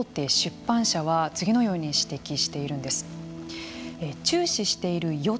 この実態について大手出版社は次のように指摘しているんです。